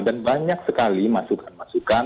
dan banyak sekali masukan masukan